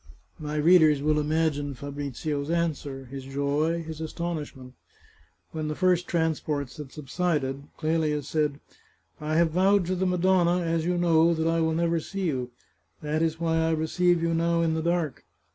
My readers will imagine Fabrizio's answer, his joy, his astonishment. When the first transports had subsided, Qelia said :" I have vowed to the Madonna, as you know, that I will never see you. That is why I receive you now in the dark.